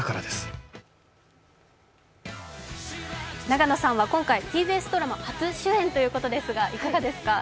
永野さんは今回、ＴＢＳドラマ初主演ということですが。